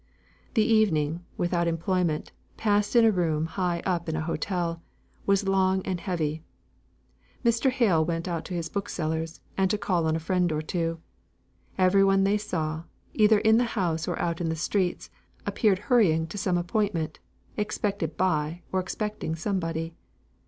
The evening, without employment, passed in a room high up in an hotel, was long and heavy. Mr. Hale went out to his bookseller's, and to call on a friend or two. Every one they saw, either in the house or out in the streets, appeared hurrying to some appointment, expected by, or expecting somebody.